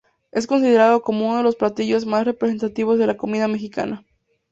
Es considerado como uno de los platillos más representativos de la comida mexicana.